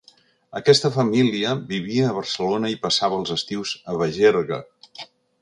Aquesta família vivia a Barcelona i passava els estius a Bagergue.